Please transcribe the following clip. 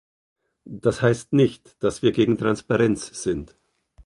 Das heißt nicht, dass wir gegen Transparenz sind.